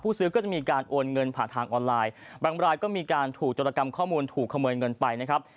ซื้อก็จะมีการโอนเงินผ่านทางออนไลน์บางรายก็มีการถูกจรกรรมข้อมูลถูกขโมยเงินไปนะครับ